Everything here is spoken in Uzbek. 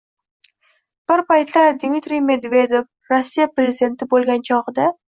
Bir paytlar Dmitriy Medvedev, Rossiya prezidenti bo‘lgan chog‘ida